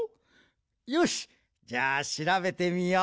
よしじゃあしらべてみよう。